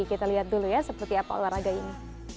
kita lihat dulu ya seperti apa olahraga ini